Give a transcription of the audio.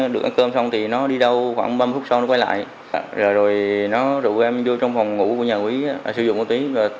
được ăn cơm xong thì nó đi đâu khoảng ba phút sau nó quay lại rồi rồi nó rủ em vô trong phòng ngủ của nhà quý sử dụng một tí